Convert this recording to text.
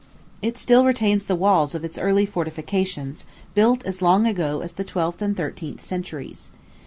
It still retains the walls of its early fortifications, built as long ago as the twelfth and thirteenth centuries.